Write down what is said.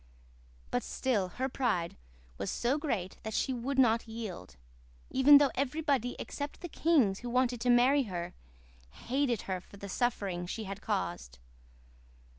But still her pride was so great that she would not yield, even though everybody except the kings who wanted to marry her, hated her for the suffering she had caused.